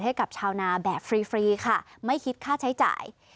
ให้กับชาวนาแบบฟรีค่ะไม่คิดค่าใช้จ่าย